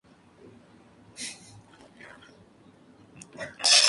Era hija de los emperadores Pedro y Yolanda de Constantinopla.